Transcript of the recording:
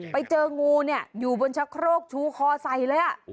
ไปเจองูอยู่บนชะโครกชู้คอใส่แล้ว